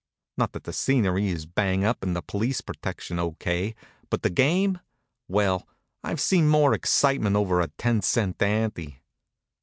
Not that the scenery isn't bang up and the police protection O. K., but the game well, I've seen more excitement over a ten cent ante.